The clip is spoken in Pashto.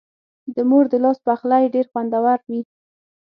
د مور د لاس پخلی ډېر خوندور وي.